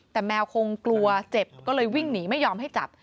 แต่แมวคงกลัวเจ็บก็เลยวิ่งหนีไม่ยอมให้จับ